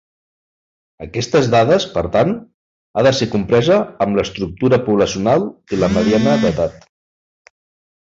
Aquestes dades, per tant, ha de ser compresa amb l'estructura poblacional i la mediana d'edat.